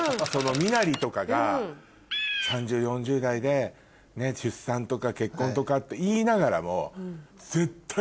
身なりとかが３０４０代で出産とか結婚とかって言いながらも。